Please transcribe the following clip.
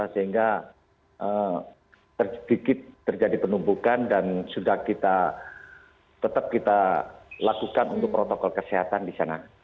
sehingga sedikit terjadi penumpukan dan sudah kita tetap kita lakukan untuk protokol kesehatan di sana